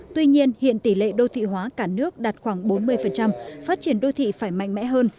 tuy nhiên hiện tỷ lệ đô thị hóa cả nước đạt khoảng bốn mươi phát triển đô thị phải mạnh mẽ hơn